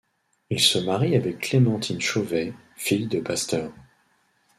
Il se marie avec Clémentine Chauvet, fille de pasteur.